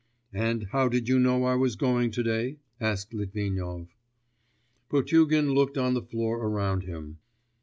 'And how did you know I was going to day?' asked Litvinov. Potugin looked on the floor around him....